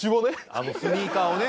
あのスニーカーをね